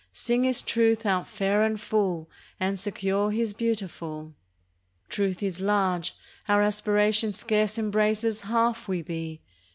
Sing His Truth out fair and full, And secure His beautiful. Truth is large. Our aspiration Scarce embraces half we be.